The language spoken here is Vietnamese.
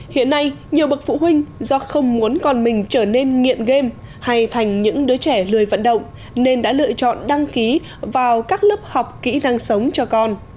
hiện nay nhiều bậc phụ huynh do không muốn con mình trở nên nghiện game hay thành những đứa trẻ lười vận động nên đã lựa chọn đăng ký vào các lớp học kỹ năng sống cho con